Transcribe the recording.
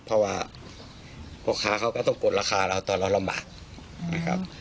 เพราะว่าพ่อค้าเขาก็ต้องกดราคาเราตอนเราลำบากนะครับ